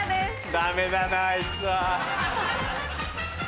ダメだなあいつは。